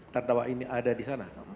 terdakwa ini ada di sana